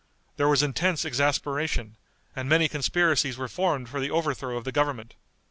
There was intense exasperation, and many conspiracies were formed for the overthrow of the government.